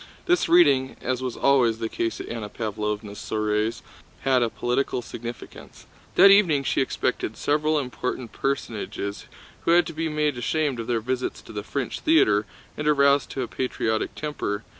This reading, as was always the case at Anna Pávlovna's soirees, had a political significance. That evening she expected several important personages who had to be made ashamed of their visits to the French theater and aroused to a patriotic temper.